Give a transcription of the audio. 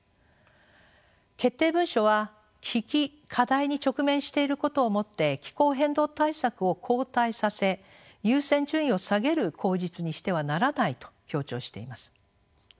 決定文書は危機課題に直面していることをもって気候変動対策を後退させ優先順位を下げる口実にしてはならないと強調しています。